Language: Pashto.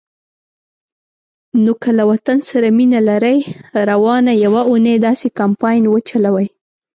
نو که له وطن سره مینه لرئ، روانه یوه اونۍ داسی کمپاین وچلوئ